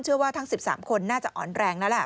เชื่อว่าทั้ง๑๓คนน่าจะอ่อนแรงนั่นแหล่ะ